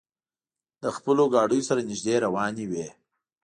له خپلو ګاډیو سره نږدې روانې وې.